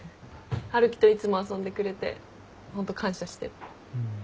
春樹といつも遊んでくれてホント感謝してる。